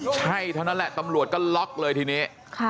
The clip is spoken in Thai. ใช่เท่านั้นแหละตำรวจก็ล็อกเลยทีนี้